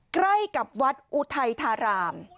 ใกล้กับวัดอุทัยธาราม